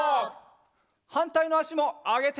はんたいのあしもあげて！